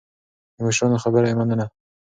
د مشرانو خبره يې منله.